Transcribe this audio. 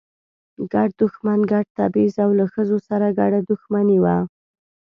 ګډ دښمن، ګډ تبعیض او له ښځو سره ګډه دښمني وه.